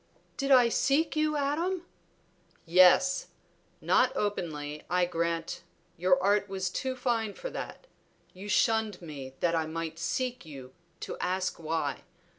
"Did I seek you, Adam?" "Yes! Not openly, I grant, your art was too fine for that; you shunned me that I might seek you to ask why.